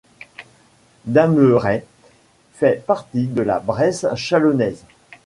Damerey fait partie de la Bresse chalonnaise.